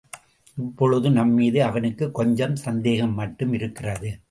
இப்பொழுது நம்மீது அவனுக்குக் கொஞ்சம் சந்தேகம் மட்டும் இருக்கிறது.